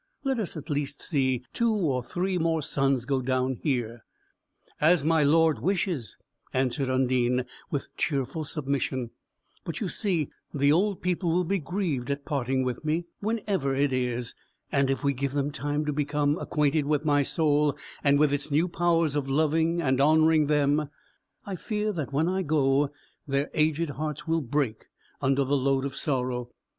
Let us at least see two or three more suns go down here." "As my Lord wishes," answered Undine, with cheerful submission; "but, you see, the old people will be grieved at parting with me, whenever it is; and if we give them time to become acquainted with my soul, and with its new powers of loving and honouring them, I fear that when I go, their aged hearts will break under the load of sorrow.